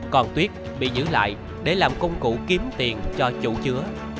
còn tuyết bị giữ lại để làm công cụ kiếm tiền cho chủ chứa